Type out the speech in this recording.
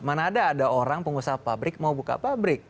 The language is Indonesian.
mana ada orang pengusaha pabrik mau buka pabrik